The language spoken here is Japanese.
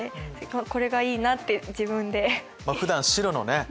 これがいいなって自分で。